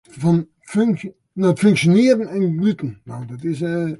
Der wurdt in soad ûndersyk dien nei de struktueren en funksje fan gluten.